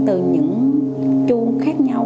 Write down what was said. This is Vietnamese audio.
từ những chuông khác nhau